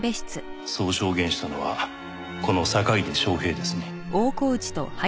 そう証言したのはこの坂出昌平ですね？